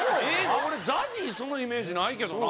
俺ＺＡＺＹそのイメージないけどな。